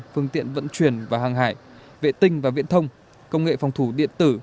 phương tiện vận chuyển và hàng hải vệ tinh và viễn thông công nghệ phòng thủ điện tử